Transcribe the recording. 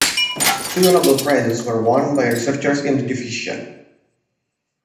Two Nobel Prizes were won by researchers in the division.